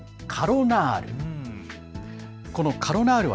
カロナール。